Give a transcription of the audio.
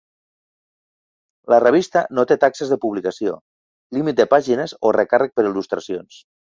La revista no té taxes de publicació, límit de pàgines o recàrrec per il·lustracions.